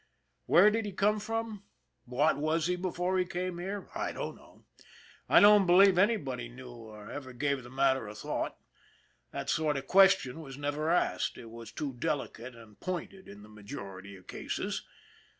Where did he come from? What was he before he came here? I don't know. I don't believe anybody knew, or ever gave the matter a thought. That sort of question was never asked it was too delicate and pointed in the majority of cases.